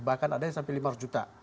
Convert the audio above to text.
bahkan ada yang sampai lima ratus juta